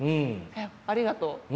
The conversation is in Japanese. ありがとう。